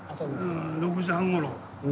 ６時半ごろ。